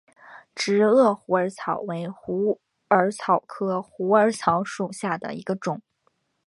直萼虎耳草为虎耳草科虎耳草属下的一个种。